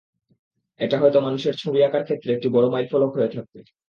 এটা হয়তো মানুষের ছবি আঁকার ক্ষেত্রে একটা বড় মাইলফলক হয়ে থাকবে।